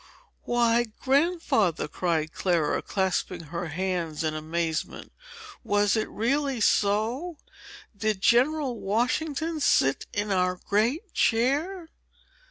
"Why! Grandfather," cried Clara, clasping her hands in amazement, "was it really so? Did General Washington sit in our great chair?"